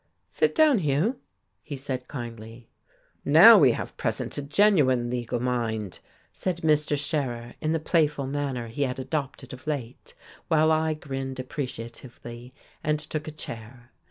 "Sit down, Hugh," he said kindly. "Now we have present a genuine legal mind," said Mr. Scherer, in the playful manner he had adopted of late, while I grinned appreciatively and took a chair.